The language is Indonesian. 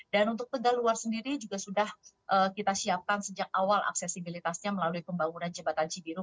dan untuk tegal luar sendiri juga sudah kita siapkan sejak awal aksesibilitasnya melalui pembangunan jembatan cibiru